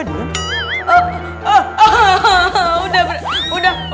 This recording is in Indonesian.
udah udah udah udah nangis lagi